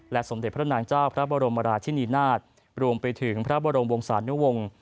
สมเด็จพระนางเจ้าพระบรมราชินีนาฏรวมไปถึงพระบรมวงศานุวงศ์